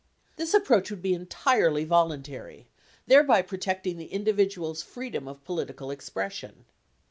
This approach would be entirely voluntary, thereby protecting the individual's freedom of political expression.